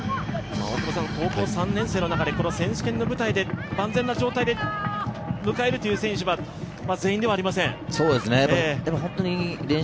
高校３年生の中で選手権の舞台で万全な状態で迎えるという選手は全員ではありません。